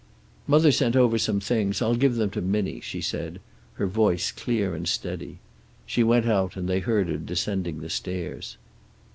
"Mother sent over some things. I'll give them to Minnie," she said, her voice clear and steady. She went out, and they heard her descending the stairs.